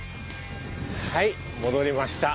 はい戻りました。